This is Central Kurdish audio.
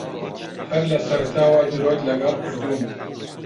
ھەر لە سەرەتاوە درۆت لەگەڵ کردووم.